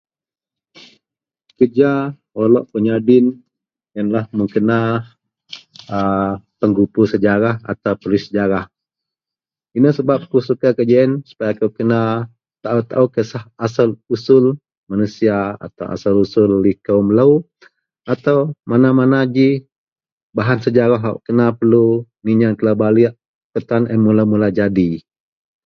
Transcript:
kerja wak lok kou nyadin ienlah mun kena a pengumpul sejarah atau penulis sejarah, inou sebab akou suka kerja ien supaya akou kena taau-taau kisah asel usul manusia atau asel usul liko melou atau mana-mana ji bahan sejarah wak kena perlu nyieang telou baliek kutan a ien mula-mula jadi